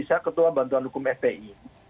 saya ketua bantuan hukum fpi